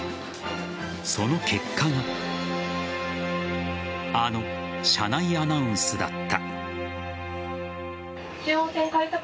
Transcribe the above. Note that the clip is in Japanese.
その結果があの車内アナウンスだった。